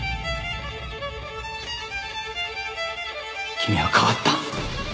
君は変わった。